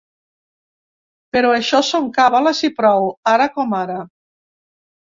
Però això són càbales i prou, ara com ara.